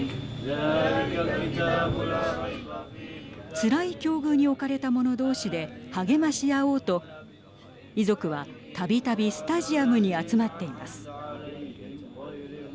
つらい境遇に置かれたもの同士で励まし合おうと遺族は、たびたびスタジアムに集まっています。